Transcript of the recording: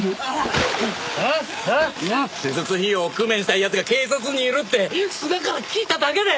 手術費用を工面したい奴が警察にいるって須賀から聞いただけで！